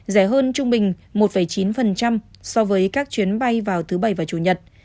rẻ hơn trung bình một chín so với các chuyến bay vào thứ bảy và chủ nhật